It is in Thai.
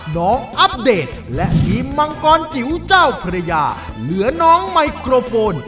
อัปเดตและทีมมังกรจิ๋วเจ้าพระยาเหลือน้องไมโครโฟน